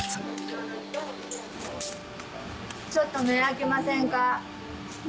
ちょっと目開けませんか？